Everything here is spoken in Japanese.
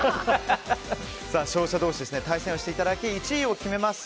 勝者同士、対戦をしていただき１位を決めます。